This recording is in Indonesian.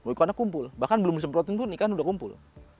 ikannya kumpul bahkan belum disemprotin pun nikah sudah kumpul